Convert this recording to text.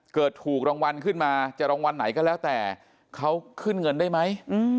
เกิดถูกรางวัลขึ้นมาจะรางวัลไหนก็แล้วแต่เขาขึ้นเงินได้ไหม